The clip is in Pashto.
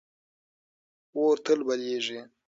اور تل بلېږي.